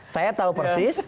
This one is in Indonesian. saya tahu persis